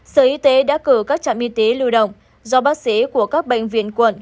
sở y tế đã cử các trạm y tế lưu động do bác sĩ của các bệnh viện quận